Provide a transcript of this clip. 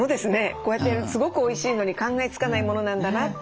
こうやってすごくおいしいのに考えつかないものなんだなって。